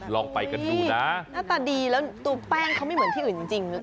ลองไปกันดูนะหน้าตาดีแล้วตัวแป้งเขาไม่เหมือนที่อื่นจริง